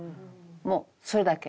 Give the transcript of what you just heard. もうそれだけ。